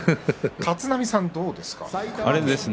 立浪さんは、どうですか？